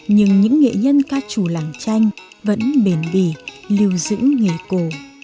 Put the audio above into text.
nhưng những nghệ nhân ca trù làng tranh vẫn bền bỉ lưu giữ nghề cổ